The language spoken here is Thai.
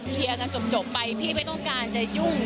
เคลียร์กันจบไปพี่ไม่ต้องการจะยุ่ง